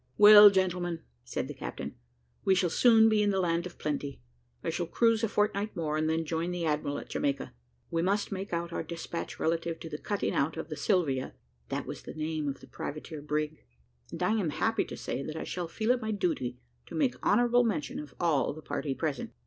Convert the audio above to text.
"Well, gentlemen," said the captain, "we shall soon be in the land of plenty. I shall cruise a fortnight more, and then join the admiral at Jamaica. We must make out our despatch relative to the cutting out of the Sylvia" (that was the name of the privateer brig), "and I am happy to say that I shall feel it my duty to make honourable mention of all the party present.